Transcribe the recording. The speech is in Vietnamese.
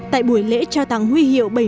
tại buổi lễ trao tăng huy hiệu